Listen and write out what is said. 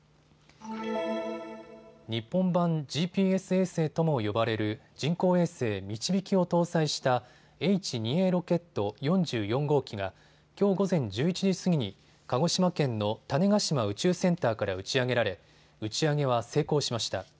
日本版ＧＰＳ衛星とも呼ばれる人工衛星、みちびきを搭載したＨ２Ａロケット４４号機がきょう午前１１時過ぎに鹿児島県の種子島宇宙センターから打ち上げられ打ち上げは成功しました。